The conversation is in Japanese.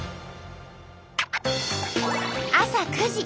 朝９時。